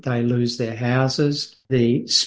mereka kehilangan rumah mereka